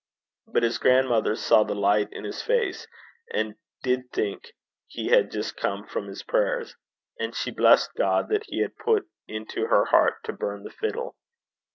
But his grandmother saw the light in his face, and did think he had just come from his prayers. And she blessed God that he had put it into her heart to burn the fiddle.